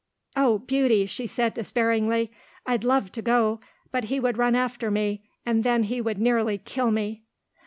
"Oh, Beauty," she said despairingly, "I'd love to go, but he would run after me, and then he would nearly kill me."